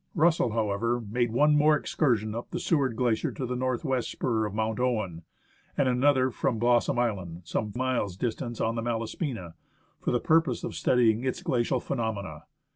Russell, how ever, made one more excursion up the .Seward Glacier to the north west spur of Mount Owen, and another from Blossom Island, some miles' distance on the Malaspina, for the purpose of studying its glacial phenomena.